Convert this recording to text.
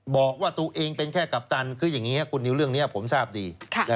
บอกว่าตัวเองเป็นแค่กัปตันคืออย่างนี้คุณนิวเรื่องนี้ผมทราบดี